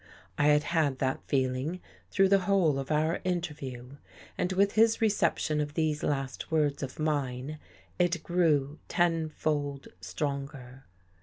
I had had that feeling through the whole of our interview. And with his reception of these last words of mine, it grew ten fold stronger.